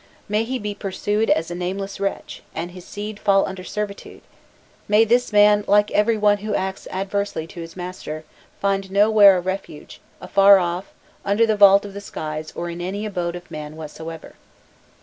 May he be pursued as a nameless wretch, and his seed fall under servitude! May this man, like every one who acts adversely to his master, find nowhere a refuge, afar off, under the vault of the skies or in any abode of man whatsoever."